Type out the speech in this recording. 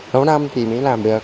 lâu năm thì mới làm được